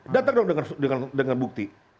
datang dong dengan bukti